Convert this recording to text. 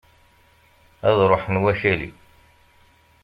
Ad ruḥen wakali!